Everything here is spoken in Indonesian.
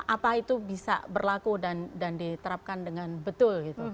apa itu bisa berlaku dan diterapkan dengan betul